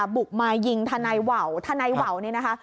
บุกมายิงทนายว่าวทนายว่าวเนี่ยนะคะ